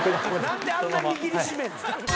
「なんであんな握り締めんねん」